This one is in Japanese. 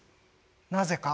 なぜか？